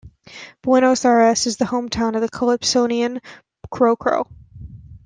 Buenos Ayres is the hometown of the calypsonian Cro Cro.